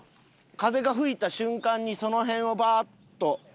風が吹いた瞬間にその辺をバーッと。